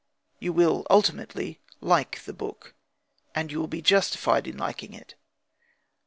You will ultimately like the book, and you will be justified in liking it.